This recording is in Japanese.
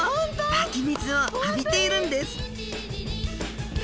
湧き水を浴びているんです